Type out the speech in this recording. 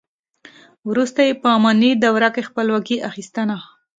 وروسته یې په اماني دوره کې خپلواکي اخیستنه.